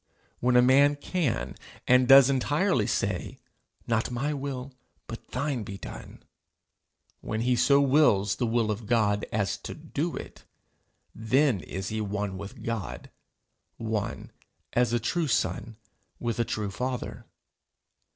When a man can and does entirely say, 'Not my will, but thine be done' when he so wills the will of God as to do it, then is he one with God one, as a true son with a true father.